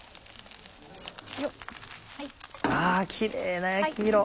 あキレイな焼き色。